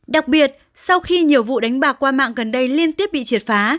đặc biệt sau khi nhiều vụ đánh bạc qua mạng gần đây liên tiếp bị triệt phá